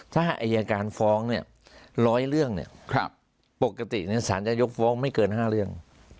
ถ้าไอยาการฟ้องเนี้ยร้อยเรื่องเนี้ยครับปกติเนี้ยศาลจะยกฟ้องไม่เกินห้าเรื่อง